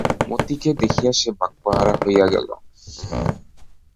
মতিকে দেখিয়া সে বাক্যহারা হইয়া গেল।